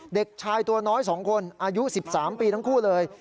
เด็กชายตัวน้อย๒คนอายุ๑๓ปีทั้งคู่เลย